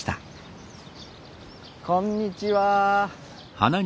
はいこんにちは。